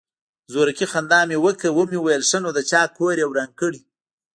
زورکي خندا مې وکړه ومې ويل ښه نو د چا کور يې وران کړى.